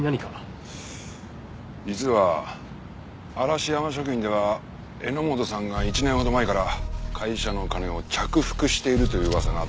実は嵐山食品では榎本さんが１年ほど前から会社の金を着服しているという噂があったそうです。